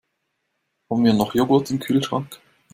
Haben wir noch Joghurt im Kühlschrank?